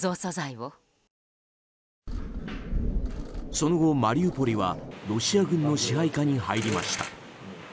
その後、マリウポリはロシア軍の支配下に入りました。